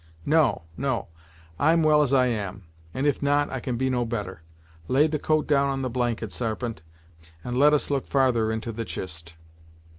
No no I'm well as I am; and if not, I can be no better. Lay the coat down on the blanket, Sarpent, and let us look farther into the chist."